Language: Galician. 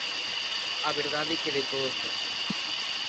A verdade que de todo tipo.